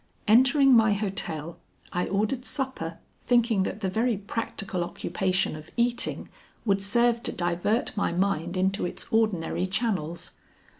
Entering my hotel, I ordered supper, thinking that the very practical occupation of eating would serve to divert my mind into its ordinary channels.